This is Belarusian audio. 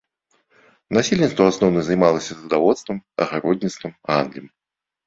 Насельніцтва ў асноўным займалася садаводствам, агародніцтвам, гандлем.